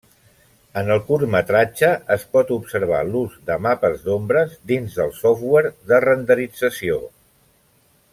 En el curtmetratge, es pot observar l’ús de mapes d’ombres dins del software de renderització.